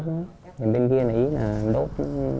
thì bên kia nó ý là đốt